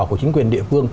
của chính quyền địa phương